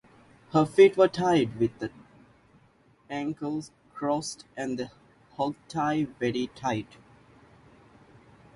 Her feet were tied with the ankles crossed and the hogtie was very tight.